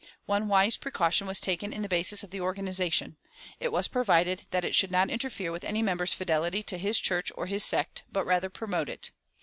One wise precaution was taken in the basis of the organization: it was provided that it should not interfere with any member's fidelity to his church or his sect, but rather promote it.